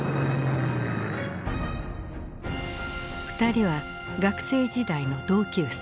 ２人は学生時代の同級生。